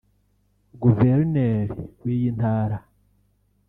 Guverineri w’iyi Ntara